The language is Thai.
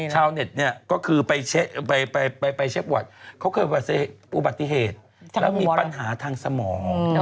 ชาวเน็ตเนี่ยก็คือไปเช็คหวัดเขาเคยอุบัติเหตุแล้วมีปัญหาทางสมอง